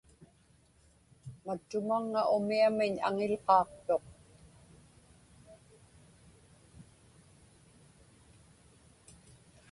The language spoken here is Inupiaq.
Mattumaŋŋa umiamiñ aŋiłhaaqtuq.